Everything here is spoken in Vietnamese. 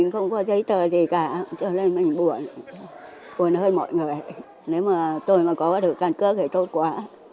không có giấy tờ gì cả cho nên mình buồn buồn hơn mọi người nếu mà tôi có được căn cước thì tốt quá